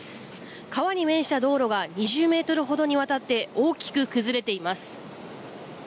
川に面した道路が２０メートルほどにわたって大きく崩れています。